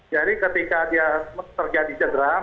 jadi ketika dia terjadi cedera